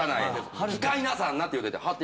「使いなさんなっていうて張っていく」